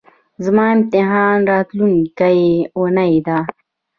زما امتحان راتلونکۍ اونۍ ده